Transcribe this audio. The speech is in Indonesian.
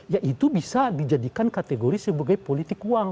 ya itu bisa dijadikan kategori sebagai politik uang